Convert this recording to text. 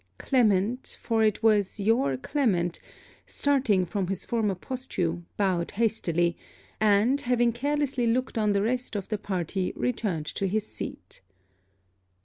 Clement, (for it was your Clement) starting from his former posture, bowed hastily; and having carelessly looked on the rest of the party returned to his seat.